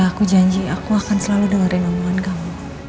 aku janji aku akan selalu dengerin omongan kamu